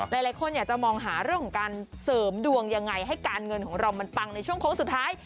หลายคนอยากจะมองหาเรื่องของการเสริมดวงยังไงให้การเงินของเรามันปังในช่วงโค้งสุดท้าย